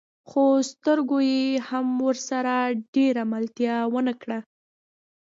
خو سترګو يې هم ورسره ډېره ملتيا ونه کړه.